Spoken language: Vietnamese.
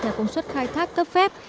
theo công suất khai thác cấp phép